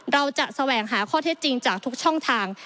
แสวงหาข้อเท็จจริงจากทุกช่องทาง